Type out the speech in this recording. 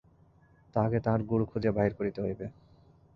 তাহাকে তাহার গুরু খুঁজিয়া বাহির করিতে হইবে।